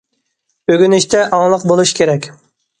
ئۆگىنىشتە ئاڭلىق بولۇش كېرەك.